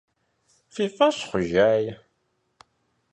Фи фӀэщ хъужаи.